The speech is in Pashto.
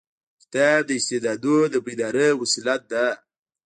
کتاب د استعدادونو د بیدارۍ وسیله ده.